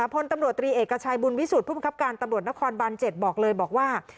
พลตำรวจตรีเอกชัยบุญวิสุทธิ์ผู้บังคับการตำรวจนครบัน๗บอกเลยบอกว่า